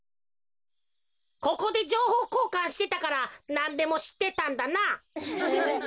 ここでじょうほうこうかんしてたからなんでもしってたんだな。